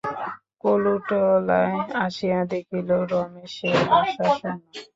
কলুটোলায় আসিয়া দেখিল, রমেশের বাসা শূন্য।